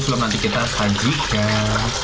sebelum nanti kita sajikan